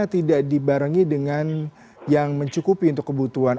tidak dibarengi dengan yang mencukupi untuk kebutuhan